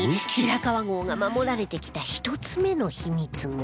白川郷が守られてきた１つ目の秘密が